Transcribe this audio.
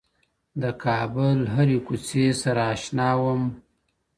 د کابل هرې کوڅې سره اشنا وم